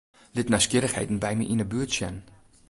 Lit nijsgjirrichheden by my yn 'e buert sjen.